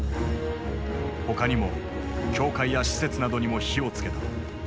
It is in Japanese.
他にも教会や施設などにも火を付けた。